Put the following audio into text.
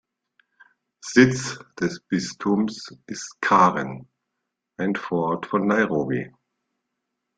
Sitz des Bistums ist Karen, ein Vorort von Nairobi.